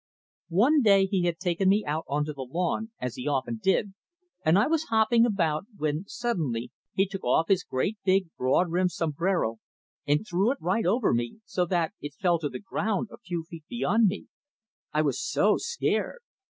One day he had taken me out onto the lawn as he often did and I was hopping about, when suddenly he took off his great big, broad brimmed sombrero and threw it right over me, so that it fell to the ground a few feet beyond me. I was so scared!